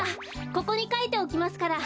ここにかいておきますから。